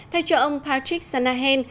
thay cho ông patrick sanahen